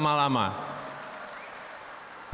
tidak usah lama lama